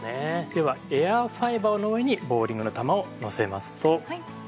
ではエアファイバーの上にボウリングの球をのせますと。